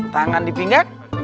tangan di pinggir